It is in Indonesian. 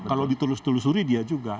kalau ditulus tulusuri dia juga